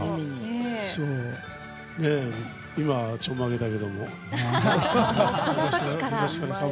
今はちょんまげだけども。